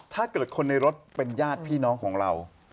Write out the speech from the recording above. ถ้าเกิดคนในรถเป็นญาติพี่น้องของเรา